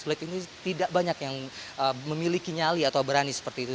sulit ini tidak banyak yang memiliki nyali atau berani seperti itu